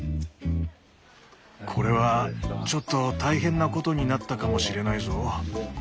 これはちょっと大変なことになったかもしれないぞ。